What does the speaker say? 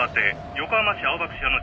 横浜市青葉区白野